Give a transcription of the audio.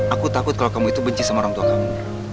aku takut kalau kamu itu benci sama orang tua kamu